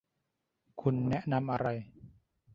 คุณแนะนำอะไร